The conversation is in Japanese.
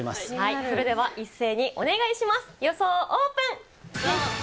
それでは一斉にお願いします。